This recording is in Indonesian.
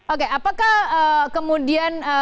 oke apakah kemudian